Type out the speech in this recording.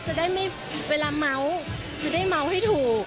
จะได้ไม่เวลาเมาส์จะได้เมาส์ให้ถูก